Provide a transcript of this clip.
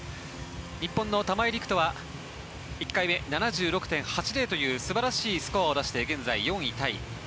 日本の玉井陸斗は１回目、７６．８０という素晴らしいスコアを出して現在４位タイ。